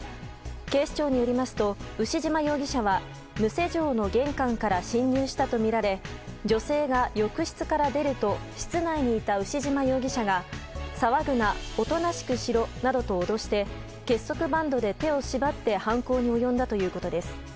警視庁によりますと牛島容疑者は無施錠の玄関から侵入したとみられ女性が浴室から出ると室内にいた牛島容疑者が騒ぐな、おとなしくしろなどと脅して結束バンドで手を縛って犯行に及んだということです。